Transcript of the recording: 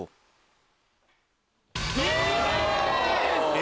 え！